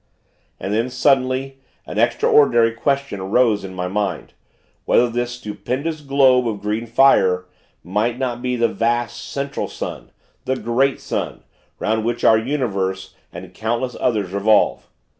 And then, suddenly, an extraordinary question rose in my mind, whether this stupendous globe of green fire might not be the vast Central Sun the great sun, 'round which our universe and countless others revolve.